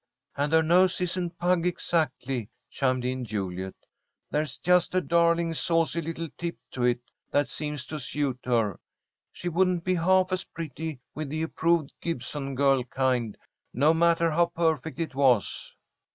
"And her nose isn't pug exactly," chimed in Juliet. "There's just a darling, saucy little tip to it, that seems to suit her. She wouldn't be half as pretty with the approved Gibson girl kind, no matter how perfect it was."